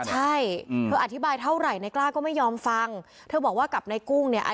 ใช่เธออธิบายเท่าไหร่ในกล้าก็ไม่ยอมฟังเธอบอกว่ากับนายกุ้งเนี่ย